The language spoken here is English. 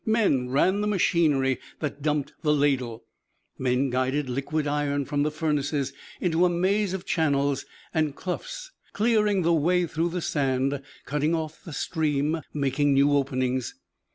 Men ran the machinery that dumped the ladle. Men guided liquid iron from the furnaces into a maze of channels and cloughs, clearing the way through the sand, cutting off the stream, making new openings.